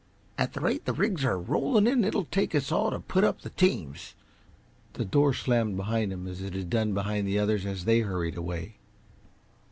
"At the rate the rigs are rolling in, it'll take us all to put up the teams." The door slammed behind him as it had done behind the others as they hurried away.